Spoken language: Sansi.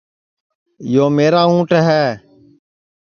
یو میرا اُنٹ ہے